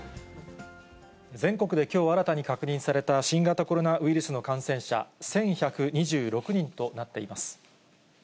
全国できょう、新たに確認された新型コロナウイルスの感染者、１１２６人となっています。